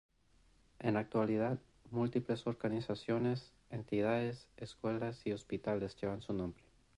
En la actualidad, múltiples organizaciones, entidades, escuelas y hospitales llevan su nombre.